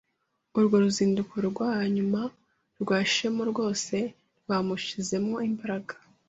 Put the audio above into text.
Urwo ruzinduko rwa nyuma rwa chemo rwose rwamushizemo imbaraga.